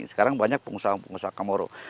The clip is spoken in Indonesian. sekarang banyak pengusaha pengusaha kamoro